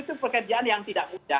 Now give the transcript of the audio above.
itu pekerjaan yang tidak mudah